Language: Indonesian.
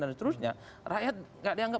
dan seterusnya rakyat tidak dianggap